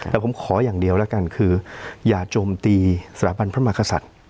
แต่ผมขออย่างเดียวแล้วกันคืออย่าโจมตีสถาบันพระมากษัตริย์